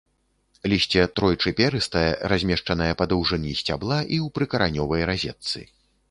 Лісце тройчы перыстае, размешчанае па даўжыні сцябла і ў прыкаранёвай разетцы.